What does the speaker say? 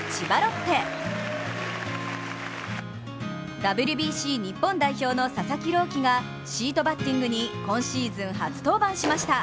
ＷＢＣ日本代表の佐々木朗希がシートバッティングに今シーズン初登板しました。